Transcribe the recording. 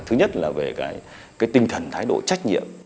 thứ nhất là về cái tinh thần thái độ trách nhiệm